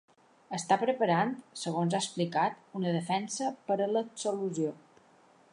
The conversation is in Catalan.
Està preparant, segons ha explicat, una defensa ‘per a l’absolució’.